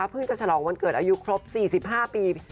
จะฉลองวันเกิดอายุครบ๔๕ปี